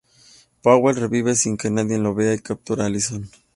Powell revive sin que nadie lo vea y captura a Allison.